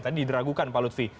tadi dideragukan pak lutfi